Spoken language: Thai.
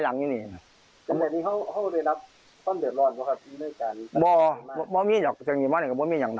มัวมีจากจังหยิบระธรรมไม่มีอย่างน้อ